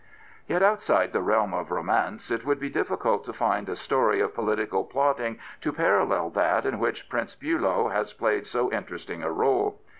Yet outside the realm of romance it would be difli cult to find a story of political plotting to parallel that in which Prince Bulow has played so interesting a r61e.